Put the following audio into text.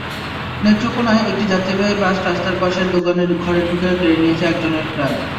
নেত্রকোনায় একটি যাত্রীবাহী বাস রাস্তার পাশে দোকান ঘরে ঢুকে কেড়ে নিয়েছে একজনের প্রাণ।